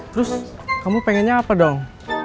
terus kamu pengennya apa dong